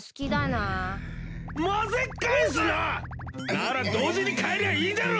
なら同時に帰りゃいいだろ。